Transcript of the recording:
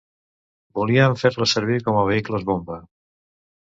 Volien fer-les servir com a vehicles bomba.